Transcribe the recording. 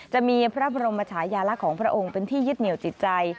จะมีพระบรมชายาลักษณ์ของพระองค์เป็นที่ยึดเหนียวจิตใจ